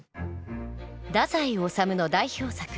太宰治の代表作